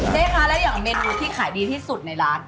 เจ๊คะแล้วอย่างเมนูที่ขายดีที่สุดในร้าน